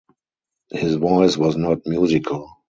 His voice was not musical.